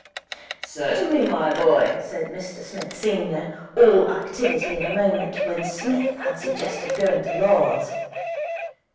'Certainly, my boy,' said Mr Smith senior, all activity in a moment, when Psmith had suggested going to Lord's.